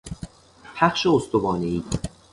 پخش استوانهای